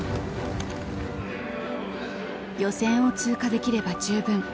予選を通過できれば十分。